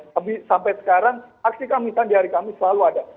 tapi sampai sekarang aksi kami tanggihari kami selalu ada